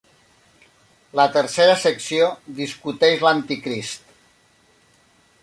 La tercera secció discuteix l'Anticrist.